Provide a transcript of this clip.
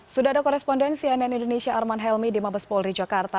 sudah ada korespondensi nn indonesia arman helmi di mabes polri jakarta